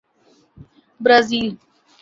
Brazil